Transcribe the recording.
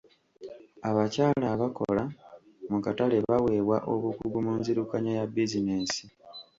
Abakyala abakola mu katale baaweebwa obukugu mu nzirukanya ya bizinensi.